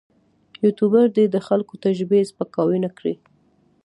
یوټوبر دې د خلکو تجربې سپکاوی نه کړي.